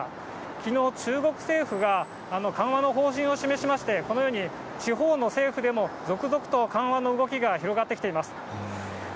きのう、中国政府が緩和の方針を示しまして、このように、地方の政府でも、続々と緩和の動きが広がってきています。